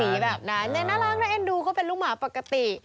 แบบนั้นน่ารักน่าเอ็นดูก็เป็นลูกหมาปกติ